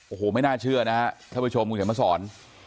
โอ้โหไม่น่าเชื่อนะฮะท่านผู้ชมคุณเขียนมาสอน